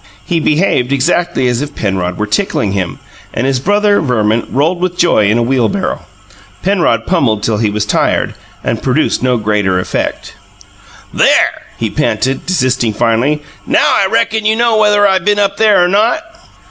He behaved exactly as if Penrod were tickling him, and his brother, Verman, rolled with joy in a wheelbarrow. Penrod pummelled till he was tired, and produced no greater effect. "There!" he panted, desisting finally. "NOW I reckon you know whether I been up there or not!"